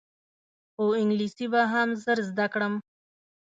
خو انګلیسي به هم ژر زده کړم.